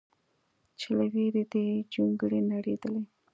چې له ویرې دې جونګړې نړېدلې